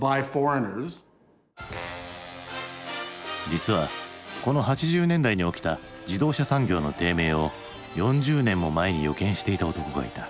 実はこの８０年代に起きた自動車産業の低迷を４０年も前に予見していた男がいた。